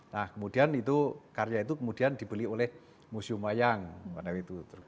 nah kemudian itu karya itu kemudian dibeli oleh museum wayang pada waktu itu